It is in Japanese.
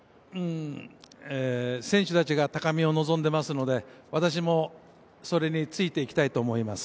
選手たちが高みを望んでますので、私もそれに、ついて行きたいと思います。